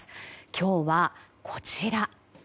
今日は、こちら。